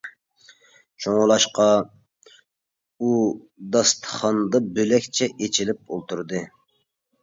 شۇڭلاشقا، ئۇ داستىخاندا بۆلەكچە ئېچىلىپ ئولتۇردى.